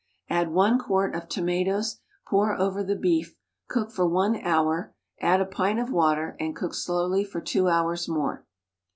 Add one quart of tomatoes, pour over the beef, cook for an hour, add a pint of water and cook slowly for two hours more.